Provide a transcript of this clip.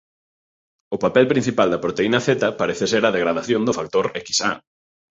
O papel principal da proteína Z parece ser a degradación do factor Xa.